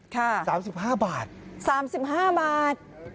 ค่ะสามสิบห้าบาทสามสิบห้าบาท